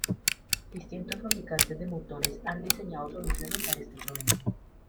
Distintos fabricantes de motores han diseñado soluciones a este problema.